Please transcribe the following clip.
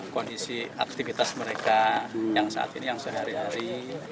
kondisi aktivitas mereka yang saat ini yang sehari hari